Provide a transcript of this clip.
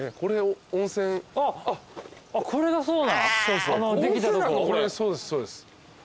これそうですそうです。